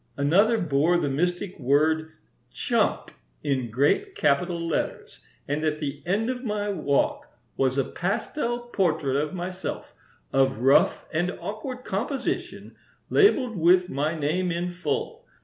Another bore the mystic word 'Chump' in great capital letters, and at the end of my walk was a pastel portrait of myself, of rough and awkward composition, labelled with my name in full.